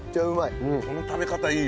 この食べ方いいよこれ。